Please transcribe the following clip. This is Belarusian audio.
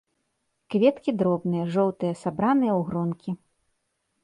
Кветкі дробныя, жоўтыя, сабраныя ў гронкі.